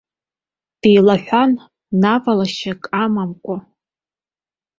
Деилаҳәан навалашьак амамкәа.